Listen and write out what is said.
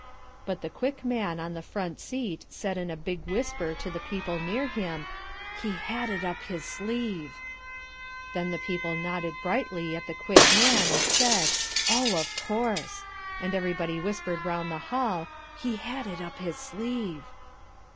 But the Quick Man on the front seat said in a big whisper to the people near him, "He had it up his sleeve." Then the people nodded brightly at the Quick Man and said, "Oh, of course"; and everybody whispered round the hall, "He had it up his sleeve."